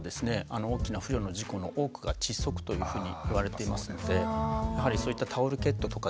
大きな不慮の事故の多くが窒息というふうにいわれていますのでやはりそういったタオルケットとかですね